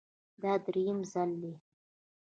دا درېیم ځل دی